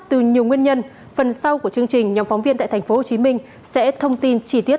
từ nhiều nguyên nhân phần sau của chương trình nhóm phóng viên tại tp hcm sẽ thông tin chi tiết